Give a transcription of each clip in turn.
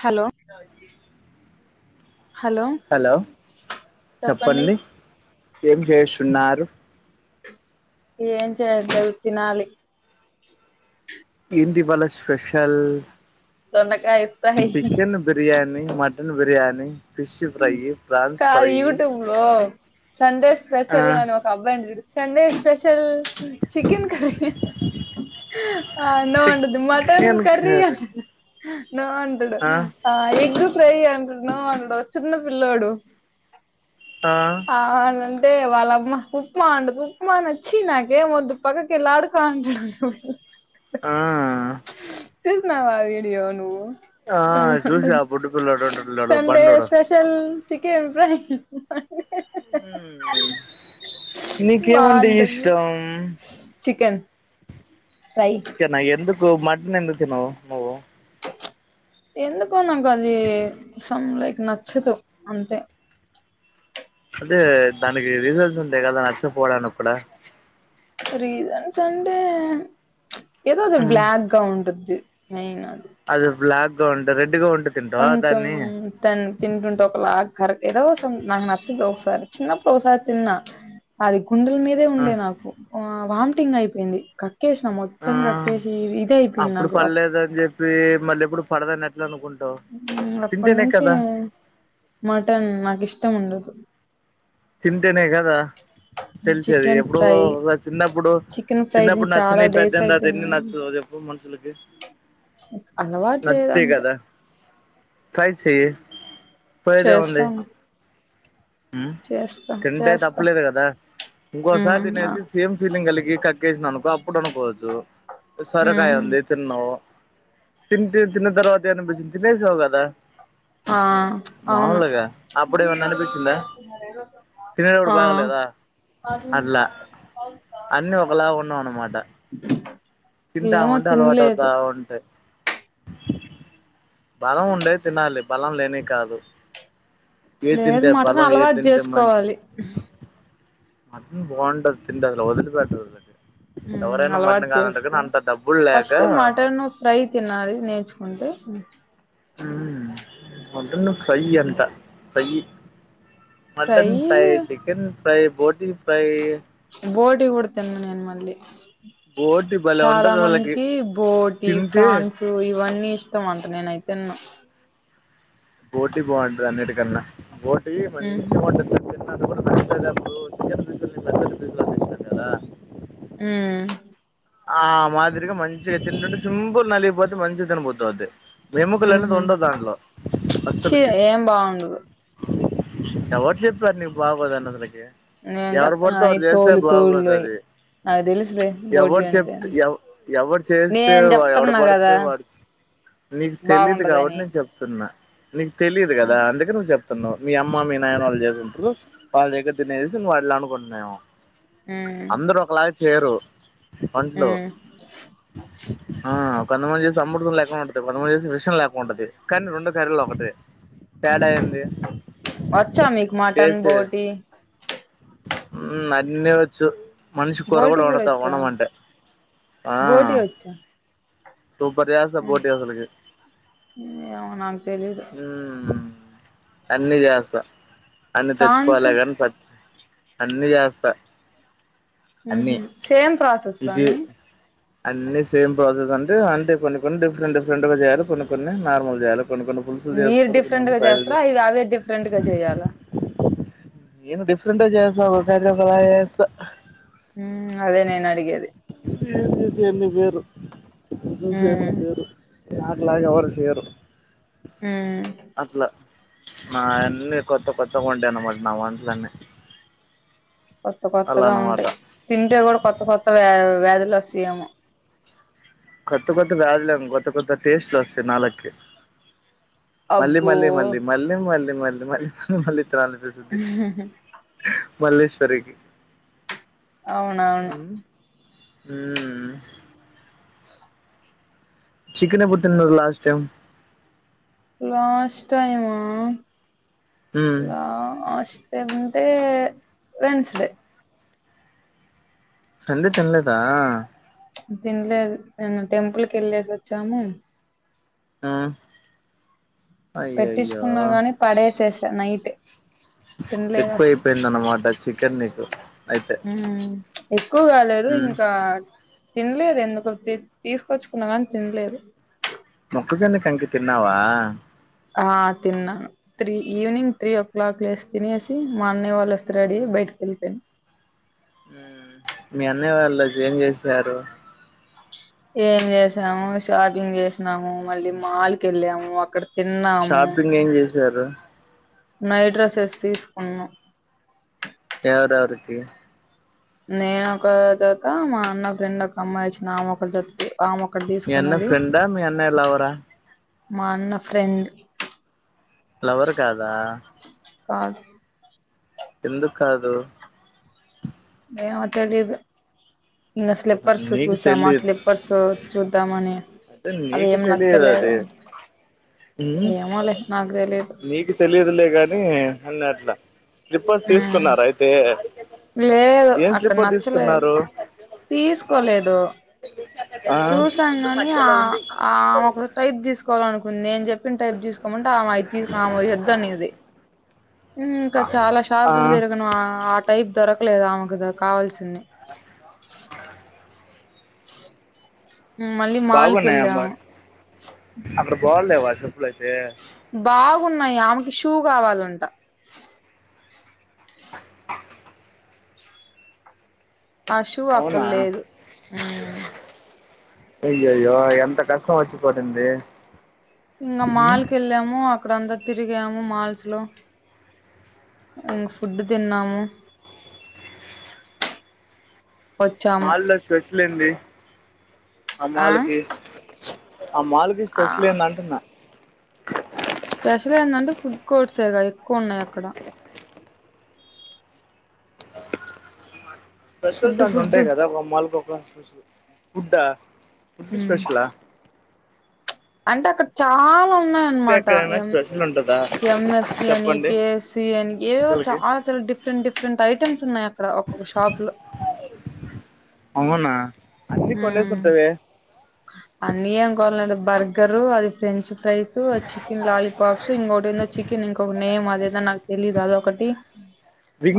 Hello hello hello చెప్పండి ఏం చేస్తున్నారు ఏం చేయట్లే లేదు తిన్నాలీ ఏంది ఇవాళ్ళ స్పెషల్ దొండకాయ fry chicken biryani mutton biryani fish fry prawns fry ఓ సండే ఆ స్పెషల్ నేను సండే స్పెషల్ చికెన్ కర్రీ అహహా అనో వన్నడుతాది ముట్టన్ కర్రీ హాహా నో అంటాడు ఆ ఎగ్ ఫ్రై అంటు నో అండు చిన్న పిల్లోడు ఆ అవునంటే వాళ్ళమ్మ ఉప్మా ఉండదు ఉప్మా నచ్చి నాకే వద్దు పక్క కేళ్ళి ఆడుతా అంటాడు రొయ్ ఆ చూసినావా ఆ వీడియో నువ్వు ఆ భలే చూసా ఉంటాది బుడ్డి పిల్లోడు ఉంటున్నాడు సండే బండోడు స్పె షల్ చికెన్ ఫ్రై ఉ మ్మ్ నీకేమంటే బాగుంటుంది ఇష్టం చికెన్ ఫ్రై చికెనా ఎందుకు మటన్ ఎందుకు తినవు ను ఎందుకో నాకు అది సం లైక్ నచ్చదు అంతే అంటే దానికి రీజన్స్ ఉంటాయి కదా నచ్చపోవడానికి కూడా రీజన్స్ అంటే ఏదో అది మ్మ్. బ్లాక్ కా ఉంటుద్ది మెయిన్ అది అది బ్లాక్‌గా ఉంటే రెడ్‌గా ఉంటే తింటావా దాన్ని దాన్ని తింటుంటే ఒకలాగా కర్ ఏదో సం నాకు నచ్చదు ఒకసారి చిన్నప్పుడు ఒకసారి తిన్నా అది గుండెల మీదే ఆ ఉండే నాకు వామిటింగ్ అయిపోయింది కక్కేసినా మొ త్తం కక్కేసి ఇదైపోయింది నాకు అ డదని చెప్పి మళ్ళీ ఎప్పుడు పడదని ఎట్లా అనుకుంటావు అప్పటి తింటేనే నుంచి కదా మటన్ నాకు ఇష్టం ఉండదు తింటేనే కదా తెలిసేది చికెన్ ఎప్పుడో ఫ్రై చిన్నప్పుడు చికెన్ ఫ్రై తిని చిన్నప్పుడు చాలా నచ్చనివి డేస్ పెద్దయిన తర్వాత ఎన్ని అయిపోయింది నచ్చవో చె ప్పు మనుషులకి చి అలవాటు లేదు అంతే కైసేయి చేస్తాను ఉమ్మ్ తింటే చేస్తా తప్పలేదు కదా ఇంకోసారి ఉమ్ ఆ తినేసి సేమ్ ఫీలింగ్ కలిగి క క్కేచేసినావ్ అనుకో అప్పుడు అనుకోవచ్చు సరకాయ ఉమ్ ఉంది తిన్నావు తింటే తిన్న తర్వాత ఏమనిపిచింది తినేసినావు కదా ఆ అవును మాములుగా అప్పుడేమన్నా అనిపి చ్చిందా తినేటప్పుడు ఆ బాగలేదా అట్లా అన్ని ఒకలా ఉన్నావు అనమాట ఏమో తిన్లేదు బాగుంటాయ్ బలం ఉండేయి తినాలి బలం లేనివి కాదు ఏది లేదు తింటే మటన్ బలం ఏది అలవాటు తింటే మంచిది చేసుకోవాలి మటన్ బాగుంటది తింటే అసలు వదిలిపెట్టరు దాన్ని ఉమ్ ఎవరైనా అలవాటు మటన్ కాదంటే గినా చేసుకో అంతా డబ్బులు లేక ఫస్ట్ మటన్ ఫ్రై తినాలి నేర్చుకుంటే ఉమ్మ్ మటను ఫ్రై ఎంత fry mutton fry chicken fry బోటి ఫ్రై బోటి కుడా తినను నేను మళ్ళీ బోటి భలే చాలా ఉంటుంది అసలకి మందికి బోటి తింటే ఫ్రాన్ సు ఇవన్నీ ఇష్టం అంట నేనాయి తిన్ను బోటీ బాగుంటది అన్నిటికన్నా బోటీ ఉహు మంచిగా ఉంటంది తెలుసా అది కూడా బ్యాచిలర్ అప్పుడు చికెన్ పీసులని పెద్ద పెద్ద పీసులుగా చేసినాం కదా ఉమ్మ్ ఆ మాదిరిగా మంచిగా తింటుంటే సింపుల్ నలిగిపోతే మంచి తిన బుద్ది అవుద్ది వెముకలు అనేది ఉహు ఉండవు దాంట్లో ఛీ అస్సలకి ఏం బాగుండు ఎవర్ చెప్పారు నీకు బాగోదు అన్నదలకి నేను ఎవరు చెప్తున్నా పడితే ఈ అరు చేస్తే తోలు తోళ్ళు బాగోదు అయి అది నాకు తెలుసులే బోటి ఎవరు అంటే చెప్తే ఎవ ఎవరు చేస్తే నేను ఎవడు చెప్తున్నా పడితే కదా వారు నీకు తెలీదు కాబట్టి బాగుండదని నేను చెప్తున్నా నీకు తెలిదు కదా ఉమ్ అందుకే నువ్వు చెప్ తిన్నవ్ మీ అమ్మ మీ నాయన వాళ్ళు చేసి ఉంటారు వాళ్ళ దగ్గ తినేసి నువ్వు అట్లా అనుకుంటున్నావమో ఉమ్ అందరు ఒకలాగ చేయరు వంటలు ఆ కొంతమంది చేసి అమృతం లేకుడా ఉంటది కొంతమంది చేసి విషం లేకుట ఉంటది కానీ రెండు కర్రీలు ఒకటే తేడ ఉమ్ ఎంది వచ్చా మీకు మటన్ బోటి వ్మ్ అన్ని వచ్చు మనిషి కూర బోటి కూడా వండుతా వచ్చా వండమంటే ఆ బోటి వచ్చా సూపర్ ఎస్తా ఉమ్ బోటీ అసల్కి ఏమో నాకు తెలీదు వ్మ్ అన్ని ఏస్తా అన్ని ఫ్రాన్స్ తెచ్చుకోవాలే కాని స అన్ని ఏస్తా ఉహుమ్ సేమ్ ప్రాసెస్ల ఇది అన్నీ అన్ని సేమ్ ప్రాసెస్ అంటే అంటే కొన్ని కొన్ని డిఫరెంట్ డిఫరెంట్ గా జేయాలి కొన్ని కొన్ని నార్మల్గా చేయాలి కొన్ని కొన్ని పులుసులు మీరు చేసుకోవాలి కొన్ని డిఫరెంట్ కొన్ని గా ఫ్రైలు చేస్ చేస్తారా ఇదే అదే డిఫరెంట్ గా చేయాలా నేను డిఫరెంట్గా చేస్తా [unintelligible] చేస్తా వ్మ్ అదే నేను అడిగేది చెస్ ఏసా అన్ని పేరు చెస్ [unintelligible] అన్ని ఉమ్ పేరు నక్లగా ఎవరు చెయ్యరు ఉమ్ అట్లా మా అన్నీ కొత్త కొత్తగుండే అన్నమాట నా వంటలన్నీ కొత్త అలా కొత్తగా అన్నమాట ఉంటాయి తింటే కూడా కొత్త కొత్త వ్యా వ్యాధులు వస్తయి ఏమో కొత్త కొత్త వ్యాదులేము కొత్త కొత్త టేస్ట్లు వస్తాయి నాలుకి మళ్ళీ అబ్బో మళ్ళీ మళ్ళీ మళ్ళీ మళ్ళీ మళ్ళీ మళ్ళీ మళ్ళీ తినాలనిపిస్తది. మల్లేశ్వరికి అవునవును వ్మ్ ఉమ్ చికన్ ఎప్పుడు తిన్నారు లాస్ట్ టైమ్ లాస్ట్ టైమ్ ఆ మ్మ్ లాష్ వెంటే వేనెస్డే సండే తినలేదా తిడ్లేదు నేను టెంపుల్కి వెళ్ళేసి వచ్చాము ఆ అయ్యాయయో పెట్టించుకున్నా గాని పడేసేసా నైట్ తినలేదు ఎక్కువ అసలు అయిపోయింది అన్నమాట చికెన్ నీకు అయితే ఉమ్ ఎక్కువ కాలేదు ఉమ్ ఇంకా తినలేదు ఎందుకో తీసుకొచ్చుకున్నా కాని తినలేదు. మొక్కుజోన్న కంకి తిన్నావా ఆ తిన్నాను three evening three o'clock లేసి తినేసి మా అన్నయ వాళ్ళు వస్ రెడి బయటికెల్పేయాను వ్మ్ మీ అన్నయ్య వాళ్ళు ఏం చేసారు ఏం చేసాము షాపింగ్ జేసినాము మళ్ళీ మాల్ కి వెళ్ళాము అక్కడ తిన్నాము షాపింగ్ ఏం చేశారు నైట్ డ్రెస్సెస్ తీసుకున్నా ఎవరేవరికి నేనొక ఒక జత మా అన్న ఫ్రెండ్ ఒక అమ్మాయి వచ్చిన్న అమో ఒక జత ఆమో ఒక్కటి మీ అన్న తీసుకున్నది ఫ్రెండా మీ అన్నయ్య లవరా మా అన్న ఫ్రెండ్ లవర్ కాదా కాదు ఎందుకు కాదు ఏమో తెలీదు ఇంగా స్లిప్పర్స్ నీకు చూసామా ఆ స్లిప్పర్స్ సో చూద్దామని అదే అవి నీకు ఏం తెలియదు నచ్చలేదు అది ఏమోలే నాకు తెలీదు నీకు తెలిదులేగాని అన్నాట్లా స్లిప్పర్స్ ఉమ్ తీసుకున్నారా అయితే లేదు ఏం అక్కడ స్లిప్పర్ నచ్చలేదు తీసుకున్నారు తీసుకోలేదు ఆ చూసాం ఇల్లు గాని ఆ మధ్యలో ఉంది ఆమె ఒక టైప్ తీసుకోవాలనుకుంది నిను చెప్ప చెప్పిన టైప్ తీసుకోమంటే ఆమె అయి తీసుకు ఆమె అయి వద్దు అనేది ఇంకా చాలా ఆ షాపులు తిరగను ఆ టైప్ దొరకలేదు ఆమెకు కావాల్సింది మళ్ళీ మాల్ కు బాగున్నాయమ్మ వెళ్ళాము అక్కడ బావలేవా చెప్పులైతే బాగున్నాయి ఆమెకి షూ కావాలంటా ఆ షూ అక్కడ అవునా లేదు మ్మ్ అయ్యో అయ్యో ఎంత కష్టం వచ్చిపడింది ఇంగా మాల్ కి వెళ్ళాము అక్కడ అంతా తిరిగాము మాల్స్ లో ఇంగా ఫుడ్ తిన్నాము [inaudible] ఏమైనా వచ్చాము మాల్ లో స్పెషల్ ఏంది ఆ మాల్ కి ఆ మాల్ ఆ స్పెషల్ ఏందంటున్నా స్పెషల్ ఎందంటే ఫుడ్ కోర్ట్సే గా ఎక్కువ ఉన్నాయి అక్కడ స్పెషల్స్ ఫుడ్ అంటు ఫుడ్ ఉంటాయి కదా ఒక మాల్ కి ఒక స్పెషల్ ఫుడ్డా ఫుడ్ ఉమ్ స్పెషలా అంటే అక్కడ చాలా ఉన్నాయి ఫుడ్ అన్నమాట ఎక్కడైనా ఏం స్పెషల్ ఉంటుందా ఎం ఎఫ్ సి అని చెప్పండి కే ఎఫ్ సి అని ఏవేవో అసలుకి చాలా చాలా డిఫ డిఫరెంట్ డిఫరెంట్ ఐటమ్స్ ఉన్నాయి అక్కడ ఒక్కొక షాప్ లో అవునా అన్ని కొనేసి ఉంటావే అన్న ఏం కొనలేదు బర్గరు అది ఫ్రెంచ్ ఫ్రైస్ చికెన్ లాలీపాప్స్ ఇంకోటి ఎందో చికెన్ ఇంకొక నేమ్ అదేదో నాకు తెలీదు అదొకటి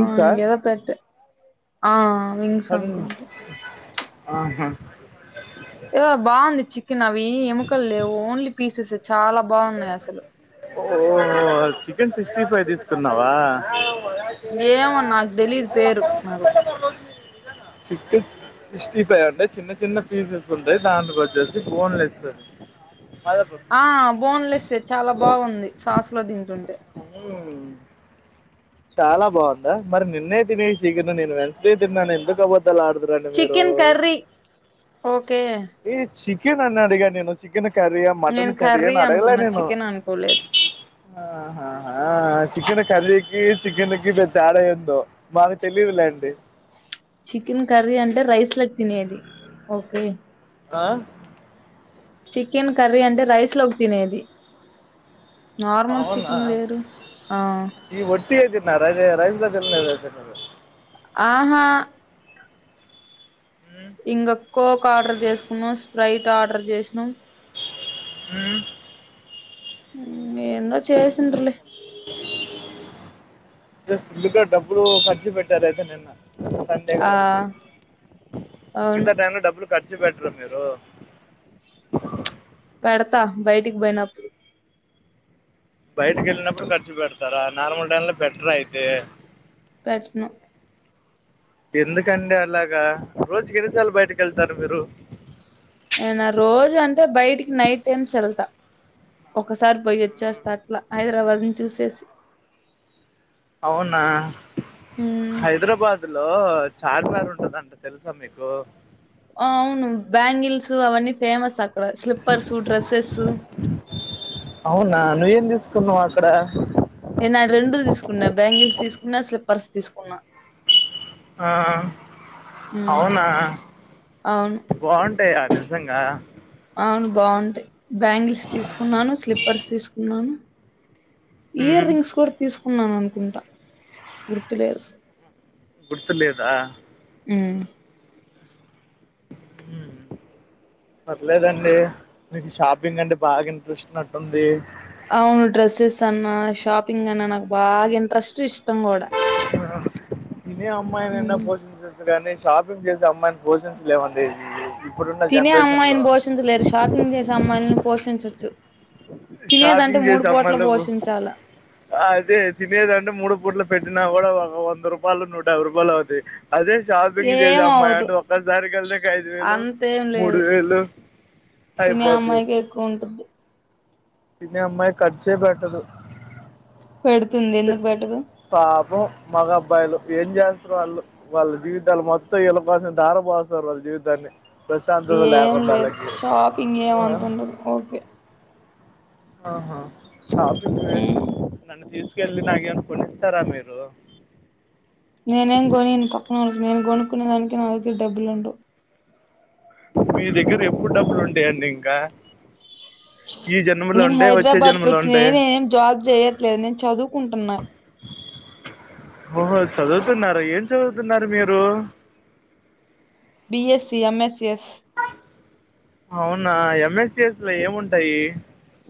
ఆ ఇంగా ఎదో పెట్టు ఆ అనుకుంటా ఆహా ఎదో బాగుంది చికెన్ అవి ఎముకలు లేవు ఓన్లీ పీసెస్ చాలా బా ఓహో చికెన్ సిక్స్టీ ఫైవ్ తీసుకున్నావా ఏమో నాకు తెలీదు పేరు నాకు చికెన్ సిక్స్టీ ఫైవ్ అంటే చిన్న చిన్న పీసెస్ ఉంటాయి దాన్ని కొట్టెసి బోన్లెస్ అది మాదాపూర్ ఆ బోన్లెస్ ఏం చాలా బాగుంది సాస్ లో తింటుంటే హలో చాలా బాగుందా మరి నిన్నే తినేసి ఇగ నేను వెన్స్ డే తిన్నాను ఎందుకు అపధ్ధాలు అడుతావ్ చికెన్ కర్రీ ఓకే ఈ చికెన్ అని అడిగ నేను చికెన్ కర్రి యా మటన్ నేను కర్రీ యా అని అడగల అనుకున్నా నేను చికెన్ అనుకోలేదు ఆహ ఆ చికెన్ కర్రీకి చికెన్ కి పెద్ద తేడయెందో మాకు తెలీదు లేండి చికెన్ కర్రీ అంటే రైస్ లోకి తినేది ఓకే ఆ చికెన్ కర్రీ అంటే రైస్ లోకి తినేది నార్మల్ చికెన్ వేరు ఆ నే ఒట్టి గా తిన్నారు అది రైస్ లో తినలేదు ఆహా ఇంకా కోక్ ఆర్డర్ చేసుకున్నాం స్ప్రైట్ ఆర్డర్ చేసినం ఉమ్ ఎందో చేసిండ్రిలే గట్టిగా డబ్బులు ఖర్చు పెట్టారు అయితే నిన్న సండే ఆ కాబట్టి అవును మిగతా టైంలో డబ్బులు ఖర్చు పెట్టరు మీరు పెడతా బయటికి పోయినప్పుడు బయటకి వెళ్ళినప్పుడు ఖర్చు పెడతారా నార్మల్ టైం లో పెట్టర అయితే పెట్టను ఎందుకండి అలాగా రోజు కి ఎన్ని సార్లు బయటకు వెళ్తారు మీరు ఏనా రోజు అంటే బయటికి నైట్ టైమ్స్ వెళ్తా ఒకసారి పోయి వచ్చేస్తా అట్లా హైదరాబాద్ ని చూసేసి అవునా ఉమ్ హైదరాబాద్ లో చార్మి నార్ ఉంటదంట తెలుసా మీకు అవును బ్యాంగిల్స్ అవన్నీ ఫేమస్ అక్కడ స్లిప్పర్స్ డ్రెస్సెస్ అవునా నువ్వేం తీసుకున్నావు అక్కడ నేనా రెండు తీసుకున్నా బ్యాంగిల్స్ తీసుకున్నా స్లిప్పర్స్ తీసుకున్నా ఆ ఉమ్ అవునా అవును బావుంటాయా నిజంగా అవును బావుంటాయి బ్యాంగిల్స్ తీసుకున్నాను స్లిప్పర్స్ తీసుకున్నాను ఇయర్ మ్మ్. రింగ్స్ కూడా తీసుకున్నాను అనుకుంటా గుర్తులేదు గుర్తులేదా ఉమ్ ఉ పర్లేదండి మీకు షాపింగ్ అంటే బాగా ఇంట్రెస్ట్ ఉన్నట్టుంది అవును డ్రెస్సెస్ అన్నా షాపింగ్ అన్నా నాకు బాగా ఇంట్రెస్ట్ ఇష్టం కూడా తినే అమ్మాయినైన ఉమ్ పోషించవచ్చ కానీ షాపింగ్ చేసే అమ్మాయిని పోషించలేవండి తినే అమ్మాయిని పోషించలేరు షాపింగ్ చేసే అమ్మాయిని పోషించచ్చు తినేదంటే షాపింగ్ మూడు పుట్ల పోషించాలా ఆ అదే తినేదంటే మూడు పుట్ల పెట్టినా కూడా ఒక వంద రూపాయలు నూట యాభై రూపాయలు అవుతాయి అదే షాపింగ్ చేసే ఏం అమ్మాయి అవ్వదు అంటే ఒక్కసారి గ వెళ్తే ఇక ఐదు వేలు అంతేం మూడు లేదు వేలు తినే అయిపోతాయి అమ్మాయికే ఎక్కువ ఉంటుది తినే అమ్మాయి ఖర్చే పెట్టదు పెడుతుంది ఎందుకు పెట్టదు పాపం మగ అబ్బాయిలు ఏం చేస్తారు వాళ్ళు వాళ్ళ జీవితాలు మొత్తం వీళ్ళ కోసం ధార పోస్తారు వాళ్ళ జీవితాన్ని ప్రశాంతత ఏమి లేకుండా లేదు వాళ్ళకి షాపింగ్ ఏమి ఆహా, అంత ఉండదు ఓకే ఆహా షాపుకే ఉమ్ నను తీసుకేళ్ళి నాగ్ ఏమన్నా కోనితారా మీరు నీనేం గోనియన్ పక్కన వాళ్ళకి నేను కొనుక్కునే దానికి నా దగ్గ డబ్బులు ఉండవ్. మీ దగ్గర ఎప్పుడు డబ్బులు ఉంటాయండి ఇంకా ఈ జన్మలో నేను ఉంటాయి వచ్చే హైద్రాబాద్కి జన్మలో వచ్చింది. ఉంటాయి నేనేం జాబ్ జేయట్లేదు నేను చదువుకుంటున్నా ఓహో చదువుతున్నారా, ఏం చదువుతున్నారు మీరు. బిఏసీ ఏమ్ ఏస్ సి ఎస్. అవునా ఏమ్ ఏస్ సి ఏస్ లో ఏముంటాయి.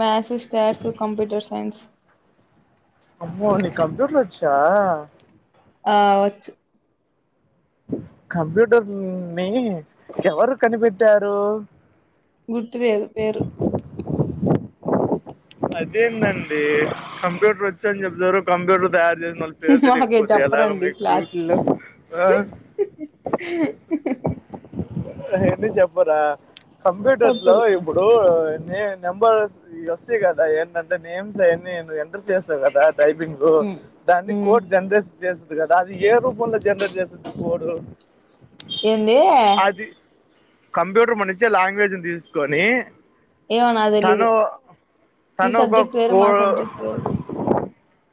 Maths, stats, computer science. అమ్మో నీకు కంప్యూటర్ ఓచ్చా. ఆ వచ్చు కంప్యూటర్ ని ఎవరు కనిపెట్టారు. గుర్తులేదు పేరు. అదేంటండి కంప్యూటర్ వచ్చా అని జేప్తారు కంప్యూటర్ తయార్ దే నాన్ పేరు మాకే దేలియకపోతే ఏలారా చెప్పరండి మీకు క్లాసుల్లో ఆ ఎన్ని చెప్పరా కంప్యూటర్ లో చెప్పరు ఇప్పుడు ఏనే నెంబర్. ఈ వస్తాయి గదా ఏంటంటే నేమ్స్ అవన్ని ఎంటర్ జేసావ్ గదాద్ టైపింగొ ఉమ్ దాన్ని ఉమ్ కోడ్ జెండ్రేజ్ జేజ్ గదాది ఏ రూపంలో జనరేట్ జేస్తది కోడు ఏందేయ్ కంప్యూటర్ మనుంచే లాంగ్వేజ్ని దీసుకొని ఏమో నాకు తెలీదు తను మీ తను ఒక సబ్జెక్ట్ వేరు కో మా సబ్జెక్ట్ వేరు